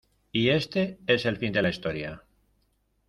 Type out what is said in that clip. y este es el fin de la historia.